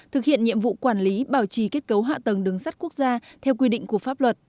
thực hiện nhiệm vụ quản lý bảo trì kết cấu hạ tầng đường sắt quốc gia theo quy định của pháp luật